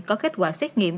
có kết quả xét nghiệm